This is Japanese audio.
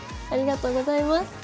ありがとうございます。